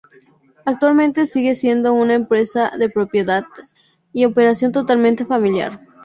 Actualmente sigue siendo una empresa de propiedad y operación totalmente familiar.